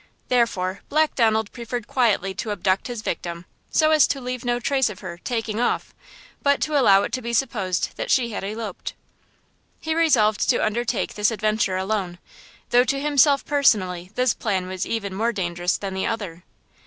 Therefore, Black Donald preferred quietly to abduct his victim, so as to leave no trace of her "taking off," but to allow it to be supposed that she had eloped. He resolved to undertake this adventure alone, though to himself personally this plan was even more dangerous than the other.